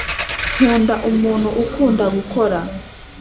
nkunda umuntu ukunda gukora